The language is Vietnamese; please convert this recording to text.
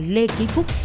lê ký phúc